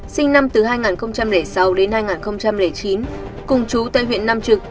sinh năm từ hai nghìn sáu hai nghìn chín cùng chú tại huyện nam trực